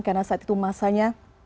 karena saat itu massanya